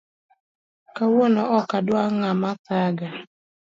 Kawuono ok adwa ngama thaga